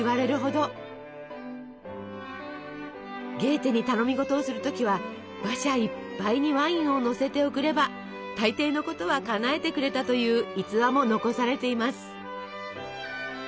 ゲーテに頼み事をする時は馬車いっぱいにワインをのせて贈れば大抵のことはかなえてくれたという逸話も残されています。